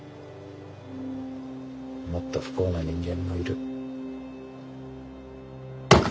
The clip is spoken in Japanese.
もっと不幸な人間もいる。